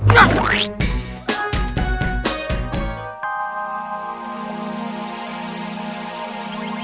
sekali lagi om ya